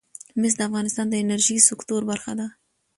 مس د افغانستان د انرژۍ سکتور برخه ده.